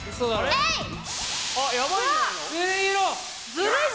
ずるいぞ！